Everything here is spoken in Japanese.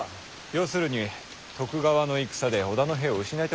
ようするに徳川の戦で織田の兵を失いたくないのでしょうよ。